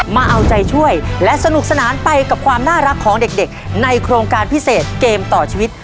มาเอาใจช่วยและสนุกสนานไปกับความน่ารักของเด็กในโครงการพิเศษเกมต่อชีวิต